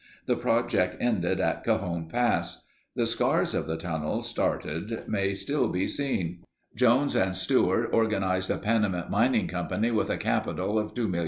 The project ended in Cajon Pass. The scars of the tunnel started may still be seen. Jones and Stewart organized the Panamint Mining Company with a capital of $2,000,000.